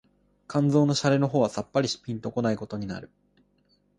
肝腎の洒落の方はさっぱりぴんと来ないことになる